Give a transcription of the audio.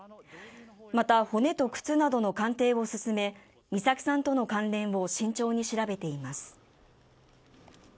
また骨と靴などの鑑定を進め美咲さんとの関連を慎重に調べています